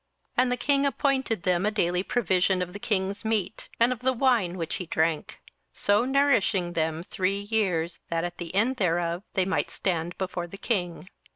27:001:005 And the king appointed them a daily provision of the king's meat, and of the wine which he drank: so nourishing them three years, that at the end thereof they might stand before the king.